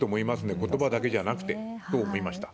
ことばだけじゃなくて、と思いました。